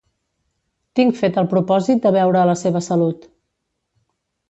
Tinc fet el propòsit de beure a la seva salut.